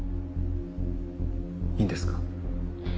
いいんですか？